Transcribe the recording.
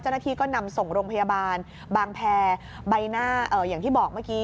เจ้าหน้าที่ก็นำส่งโรงพยาบาลบางแพรใบหน้าอย่างที่บอกเมื่อกี้